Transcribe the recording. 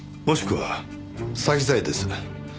もしくは詐欺罪です。